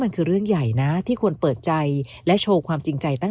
มันคือเรื่องใหญ่นะที่ควรเปิดใจและโชว์ความจริงใจตั้ง